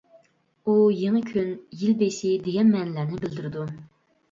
ئۇ «يېڭى كۈن» ، «يىل بېشى» دېگەن مەنىلەرنى بىلدۈرىدۇ.